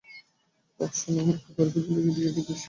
আসুন, আপনাকে গাড়ি পর্যন্ত এগিয়ে দিয়ে আসি।